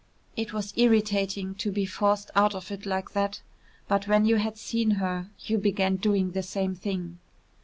It was irritating to be forced out of it like that, but when you had seen her you began doing the same thing.